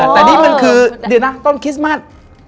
แต่นี่มันคือเดี๋ยวนะต้นคริสต์มัส